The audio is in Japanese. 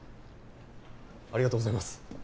ありがとうございます。